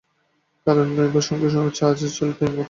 কারণ, এবার সঙ্গে আছে ছেলে তৈমুর।